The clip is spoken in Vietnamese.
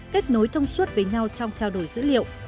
kết nối thông suốt với nhau trong trao đổi dữ liệu